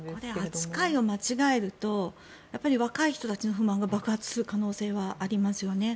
扱いを間違えると若い人たちの不満が爆発する恐れがありますね。